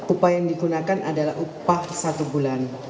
upah yang digunakan adalah upah satu bulan